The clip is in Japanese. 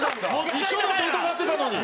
一緒になって疑ってたのに。